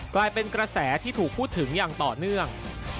กลายเป็นกระแสที่ถูกพูดถึงอย่างต่อเนื่อง